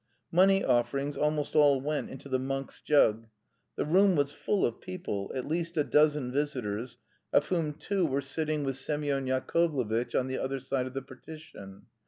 Money offerings almost all went into the monk's jug. The room was full of people, at least a dozen visitors, of whom two were sitting with Semyon Yakovlevitch on the other side of the partition.